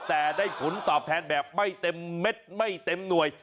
แต่ได้ผลตอบแทนแบบไม่เต็มเม็ดไม่เต็มหน่วย